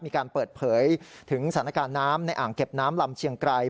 มีการเปิดเผยถึงสถานการณ์น้ำในอ่างเก็บน้ำลำเชียงไกร